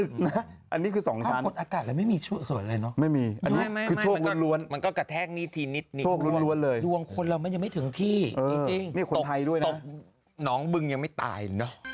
คนเราไม่ถึงที่ตาย